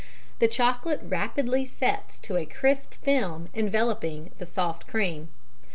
The chocolate rapidly sets to a crisp film enveloping the soft creme.